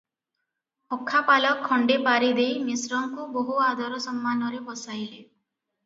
ଅଖାପାଲ ଖଣ୍ଡେ ପାରି ଦେଇ ମିଶ୍ରଙ୍କୁ ବହୁ ଆଦର ସମ୍ମାନରେ ବସାଇଲେ ।